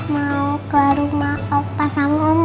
mau ke rumah opa sama oma